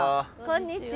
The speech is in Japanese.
こんにちは。